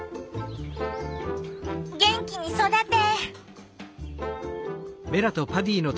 元気に育て！